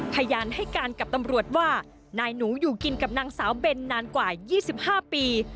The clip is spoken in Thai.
พยานให้การกับตำรวจว่านายหนูอยู่กินกับนางสาวเบนนานกว่า๒๕ปี